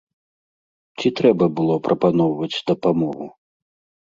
Ці трэба было прапаноўваць дапамогу?